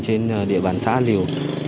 trên địa bàn xã liều